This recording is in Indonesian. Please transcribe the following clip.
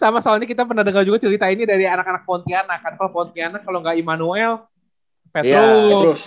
sama soalnya kita pernah dengar juga cerita ini dari anak anak pontianak kan kalo pontianak kalo ga immanuel petrus